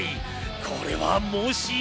これはもしや？